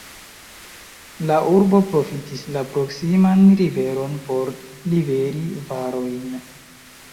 La urbo profitis la proksiman riveron por liveri varojn.